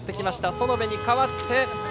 園部に代わって。